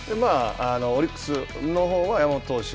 オリックスのほうは山本投手。